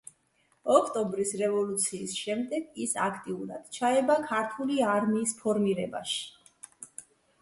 ოქტომბრის რევოლუციის შემდეგ ის აქტიურად ჩაება ქართული არმიის ფორმირებაში.